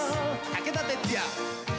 「武田鉄矢」